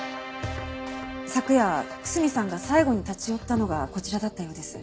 昨夜楠見さんが最後に立ち寄ったのがこちらだったようです。